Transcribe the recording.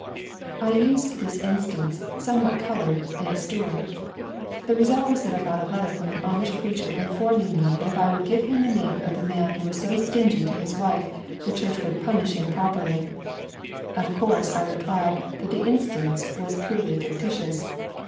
"I used the instance, somewhat colored, in a story. The result was that I got a letter from an Amish preacher informing me that if I would give him the name of the man who was so stingy to his wife the church would punish him properly. Of course I re plied that the instance was purely fictitious.